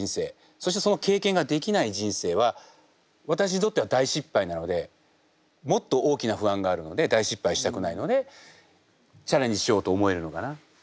そしてその経験ができない人生は私にとっては大失敗なのでもっと大きな不安があるので大失敗したくないのでチャレンジしようと思えるのかな。